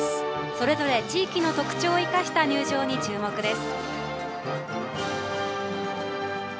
それぞれ地域の特徴を生かした入場に注目です。